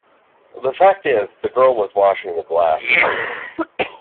The fact is, the girl was washing the glasses.